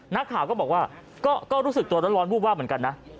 นักข่าวก็บอกว่าก็รู้สึกตัวร้อนวูบวาบเหมือนกันนะ